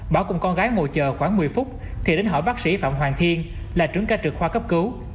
bảo cùng con gái ngồi chờ khoảng một mươi phút thì đến hỏi bác sĩ phạm hoàng thiên là trưởng ca trực khoa cấp cứu